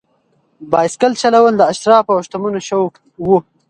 بایسکل چلول د اشرافو او شتمنو شوق و.